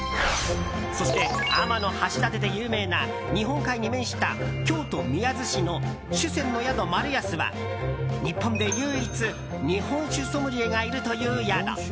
そして、天橋立で有名な日本海に面した京都・宮津市の酒鮮の宿まるやすは日本で唯一日本酒ソムリエがいるという宿。